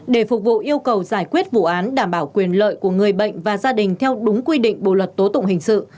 để phục vụ yêu cầu giải quyết vụ án đảm bảo quyền lợi của người bệnh và gia đình theo đúng quy định bộ luật tố tụng hình sự